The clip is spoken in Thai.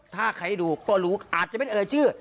ถ้าใครดูก็รู้อาจจะเป็นเอ่ยชื่อ